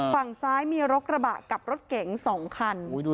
ฝั่งซ้ายมีรถกระบะกับรถเก๋ง๒คัน